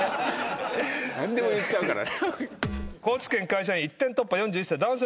何でも言っちゃうから。